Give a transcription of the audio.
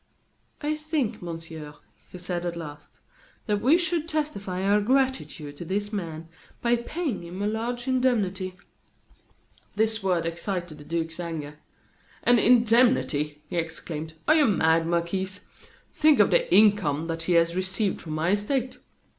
"I think, Monsieur," he said, at last, "that we should testify our gratitude to this man by paying him a large indemnity." This word excited the duke's anger. "An indemnity!" he exclaimed. "Are you mad, Marquis? Think of the income that he has received from my estate.